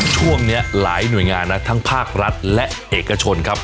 ช่วงนี้หลายหน่วยงานนะทั้งภาครัฐและเอกชนครับ